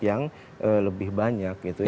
yang lebih banyak